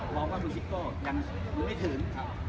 เพราะว่าคุณซิกโกยังรู้ไม่ถึง